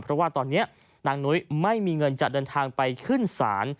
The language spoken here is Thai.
เพราะว่าตอนนี้นางนุ้ยไม่มีเงินจะเดินทางไปขึ้นศาล